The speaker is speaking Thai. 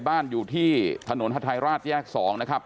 บ้านอยู่ที่ถนนฮัทไทยราชแยก๒นะครับ